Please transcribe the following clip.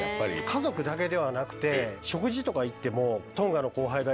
家族だけではなくて食事とか行っても。